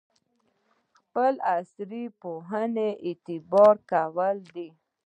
خپل عصر پوهنو اعتبار ورکول دي.